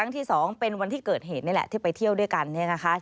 ที่๒เป็นวันที่เกิดเหตุนี่แหละที่ไปเที่ยวด้วยกันเนี่ยนะคะ